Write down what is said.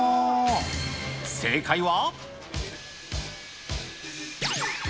正解は。